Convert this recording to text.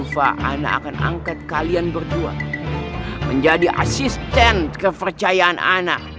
saya akan angkat kalian berdua menjadi asisten kepercayaan saya